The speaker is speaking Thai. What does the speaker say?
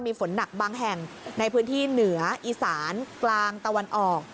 มีฝนหนักบางแห่งในพื้นที่เหนืออีสานกลางตะวันออก